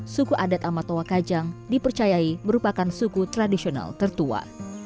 suku adat amatowa kajang dipercayai merupakan suku tradisional tertua